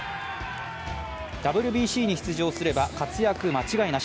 ＷＢＣに出場すれば活躍間違いなし。